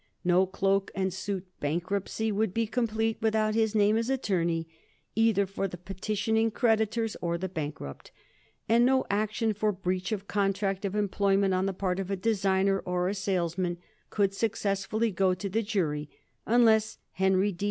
No cloak and suit bankruptcy would be complete without his name as attorney, either for the petitioning creditors or the bankrupt, and no action for breach of contract of employment on the part of a designer or a salesman could successfully go to the jury unless Henry D.